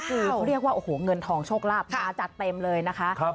คือเขาเรียกว่าโอ้โหเงินทองโชคลาภมาจัดเต็มเลยนะคะ